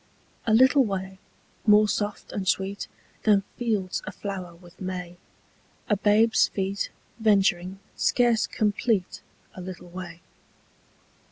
A LITTLE way, more soft and sweet Than fields aflower with May, A babe's feet, venturing, scarce complete A little way.